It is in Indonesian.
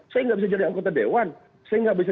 saya nggak bisa jadi anggota dewan saya nggak bisa